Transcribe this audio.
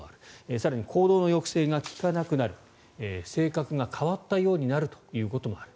更に、行動の抑制が利かなくなる性格が変わったようになるということもある。